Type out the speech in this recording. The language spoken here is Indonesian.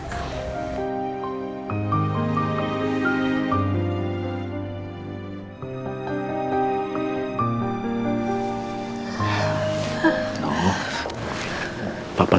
tahan diri yang irish